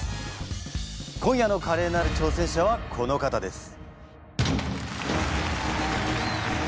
今夜のカレーなる挑戦者はこの方です！